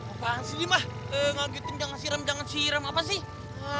apaan sih ini mas ngagetin jangan siram jangan siram apa sih